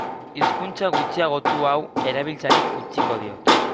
Hizkuntza gutxiagotu hau erabiltzeari utziko diot.